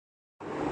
اس موسم میں بے رحم